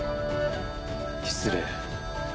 失礼。